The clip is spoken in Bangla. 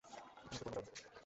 এখানে ওকে পোড়া যাবে না।